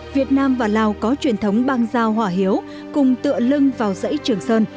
việt nam và lào có truyền thống băng giao hỏa hiếu cùng tựa lưng vào dãy trường sơn